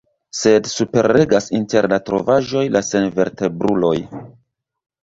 Sed superregas inter la trovaĵoj la senvertebruloj.